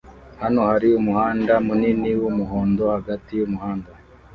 Hano hari umuhanda munini wumuhondo hagati yumuhanda